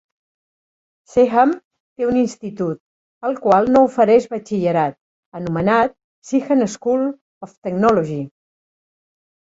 Seaham té un institut, el qual no ofereix batxillerat, anomenat Seaham School of Technology.